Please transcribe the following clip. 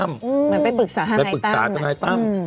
มันไปปรึกษาทนายตั้ม